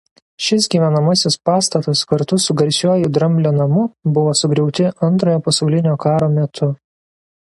Šis gyvenamasis pastatas kartu su garsiuoju "Dramblio namu" buvo sugriauti Antrojo pasaulinio karo metu.